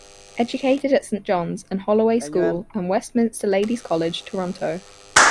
Educated at Saint John's at Holloway School and Westminster Ladies' College, Toronto.